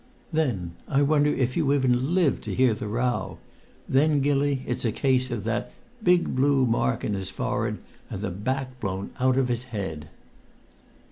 Then I wonder if you even live to hear the row? then, Gilly, it's a case of that 'big blue mark in his forehead and the back blown out of his head!'"